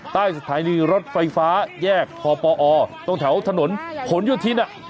ใต้สถานีรถไฟฟ้าแยกพปอตรงแถวถนนผลโยธิน